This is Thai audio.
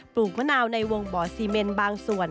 ลูกมะนาวในวงบ่อซีเมนบางส่วน